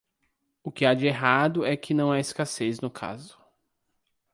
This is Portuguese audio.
O que há de errado é que não há escassez no caso.